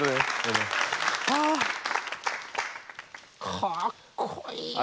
かっこいいな。